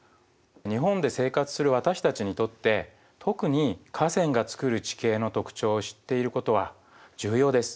日本で生活する私たちにとって特に河川がつくる地形の特徴を知っていることは重要です。